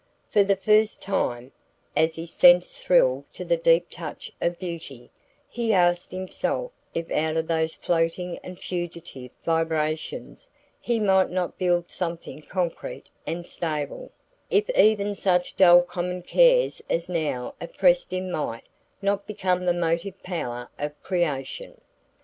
For the first time, as his senses thrilled to the deep touch of beauty, he asked himself if out of these floating and fugitive vibrations he might not build something concrete and stable, if even such dull common cares as now oppressed him might not become the motive power of creation.